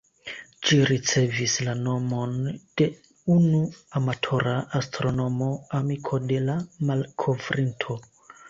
Ĝi ricevis la nomon de unu amatora astronomo, amiko de la malkovrinto.